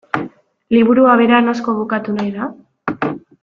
Liburua bera noizko bukatu nahi da?